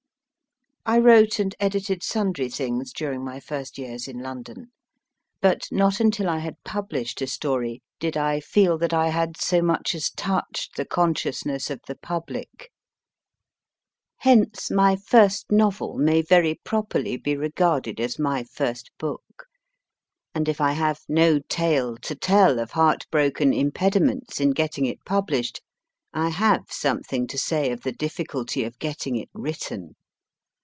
I wrote and edited sundry things during my first years in London, but not until I had published a story did I feel that I had so much as touched the consciousness of the public. MY MS. WENT SPRAWLING OVER THE TABLE HALL CAINE 57 Hence, my first novel may very properly be regarded as my first book, and if I have no tale to tell of heart broken im pediments in getting it published, I have something to say of the difficulty of getting it written.